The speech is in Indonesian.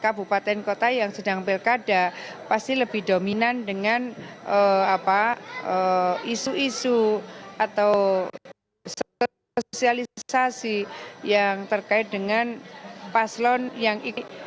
kabupaten kota yang sedang pilkada pasti lebih dominan dengan isu isu atau sosialisasi yang terkait dengan paslon yang